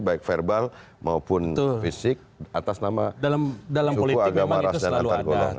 baik verbal maupun fisik atas nama suku agama ras dan antar golongan